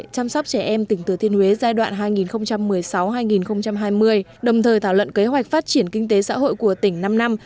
chăm sóc trẻ em tỉnh thừa thiên huế giai đoạn hai nghìn một mươi sáu hai nghìn hai mươi đồng thời thảo luận kế hoạch phát triển kinh tế xã hội của tỉnh năm năm